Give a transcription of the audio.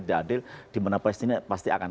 tidak adil dimana palestina pasti akan